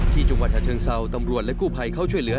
จังหวัดชะเชิงเศร้าตำรวจและกู้ภัยเข้าช่วยเหลือ